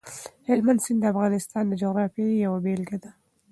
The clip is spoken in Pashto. هلمند سیند د افغانستان د جغرافیې یوه بېلګه ده.